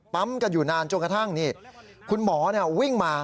กันอยู่นานจนกระทั่งนี่คุณหมอวิ่งมา